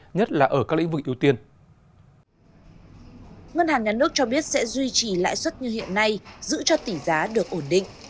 ngân hàng nhà nước cho biết sẽ duy trì lãi suất như hiện nay giữ cho tỷ giá được ổn định